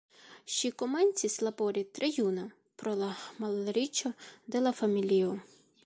Ŝi komencis labori tre juna, pro la malriĉo de la familio.